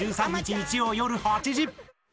１３日、日曜夜８時。